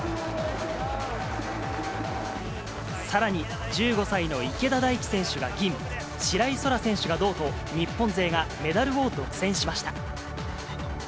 さらに、１５歳の池田大暉選手が銀、白井空良選手が銅と、日本勢がメダルを独占しました。